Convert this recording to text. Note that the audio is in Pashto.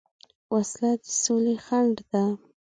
وسله د سولې خنډ ده